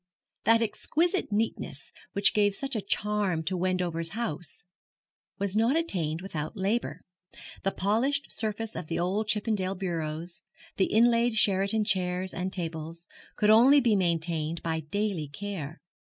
That exquisite neatness which gave such a charm to Wendover's house was not attained without labour. The polished surface of the old Chippendale bureaus, the inlaid Sheraton chairs and tables, could only be maintained by daily care.